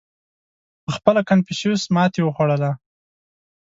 • پهخپله کنفوسیوس ماتې وخوړه.